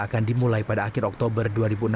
akan dimulai pada akhir oktober dua ribu enam belas